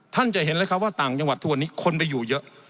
ท่านจะเห็นเลยครับว่าต่างจังหวัดทุกวันนี้คนไปอยู่เยอะ